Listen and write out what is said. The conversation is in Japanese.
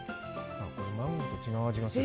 これマンゴーと違う味がする。